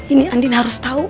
ini andin harus tau